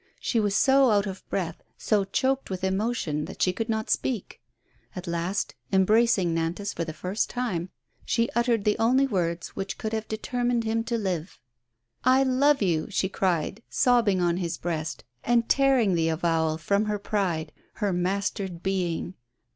She was so out of breath, so choked with emotion, that she could not speak. At last, embracing Nantas for the first time, she uttered the only words which could have determined him to live. " I love you 1 '' she cried, sobbing on his breast, and tearing the avowal from her pride, her mastered being.